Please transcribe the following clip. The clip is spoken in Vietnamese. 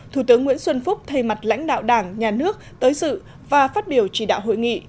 thủ tướng nguyễn xuân phúc thay mặt lãnh đạo đảng nhà nước tới sự và phát biểu chỉ đạo hội nghị